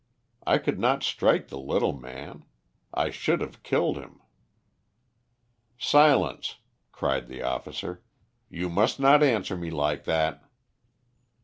I could not strike the little man. I should have killed him." "Silence!" cried the officer. "You must not answer me like that."